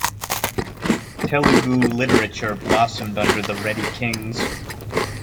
Telugu literature blossomed under the Reddy kings.